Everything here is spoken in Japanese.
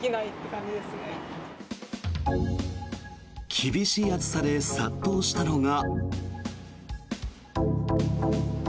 厳しい暑さで殺到したのが。